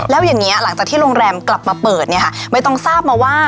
แล้วอย่างนี้หลังจากที่โรงแรมกลับมาเปิดเนี่ยค่ะไม่ต้องทราบมาว่า